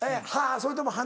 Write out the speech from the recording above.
それとも鼻？